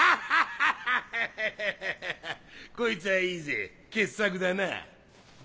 ハッハッハッハこいつはいいぜ傑作だなぁ。